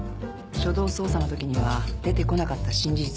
初動捜査のときには出てこなかった新事実が出てきてね。